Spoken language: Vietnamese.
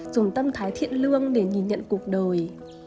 dùng tâm thái thiện lương để nhìn nhận cuộc đời